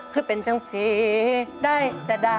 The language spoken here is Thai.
คือเป็นจังสีได้จะได้